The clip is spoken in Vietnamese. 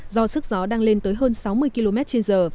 do sức gió đang lên tới hơn sáu mươi km trên giờ